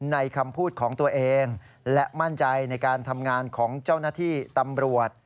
คำพูดของตัวเองและมั่นใจในการทำงานของเจ้าหน้าที่ตำรวจ